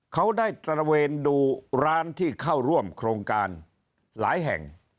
เขาได้ตระเวนดูร้านที่เข้าร่วมโครงการหลายแห่ง